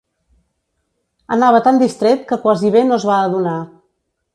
Anava tan distret que quasi bé no es va adonar